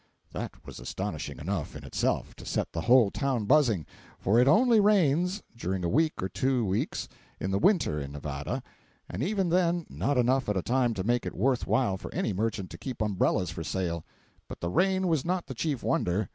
That was astonishing enough, in itself, to set the whole town buzzing, for it only rains (during a week or two weeks) in the winter in Nevada, and even then not enough at a time to make it worth while for any merchant to keep umbrellas for sale. But the rain was not the chief wonder.